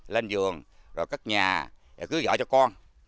lên giường rồi cất nhà cứu dõi cho con